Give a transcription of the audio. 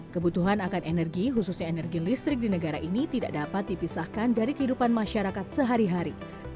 kebutuhan akan energi khususnya energi listrik di negara ini tidak dapat dipisahkan dari kehidupan masyarakat sehari hari